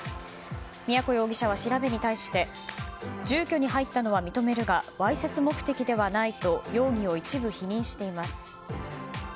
都容疑者は調べに対して住居に入ったのは認めるがわいせつ目的ではないと容疑を一部否認しています。